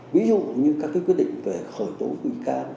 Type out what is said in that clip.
ví dụ như các cái quyết định về khởi tố bụi can